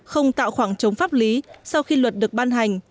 không tạo khoảng trống pháp lý sau khi luật được ban hành